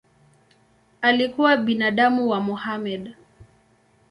Alikuwa binamu wa Mohamed.